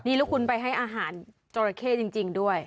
นี่แล้วคุณไปให้อาหารจราเข้จริงด้วย